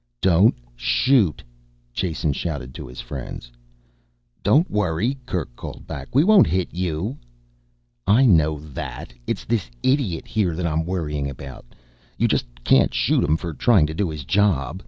"Don't shoot!" Jason shouted to his friends. "Don't worry," Kerk called back. "We won't hit you." "I know that it's this idiot here that I'm worrying about. You just can't shoot him for trying to do his job.